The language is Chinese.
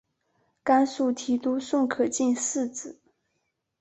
甘肃提督宋可进嗣子。